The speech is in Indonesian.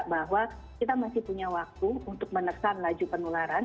bahwa kita masih punya waktu untuk menekan laju penularan